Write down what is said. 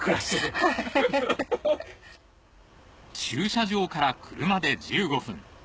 駐車場から車で１５分。